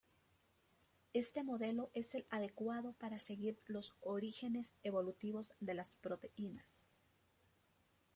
Este modelo es el adecuado para seguir los orígenes evolutivos de las proteínas.